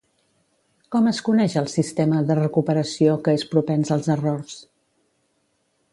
Com es coneix el sistema de recuperació que és propens als errors?